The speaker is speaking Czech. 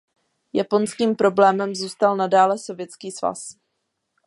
Japonským problémem zůstal nadále Sovětský svaz.